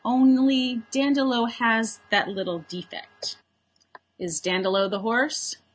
Only Dandolo has that little defect." "Is Dandolo the horse?"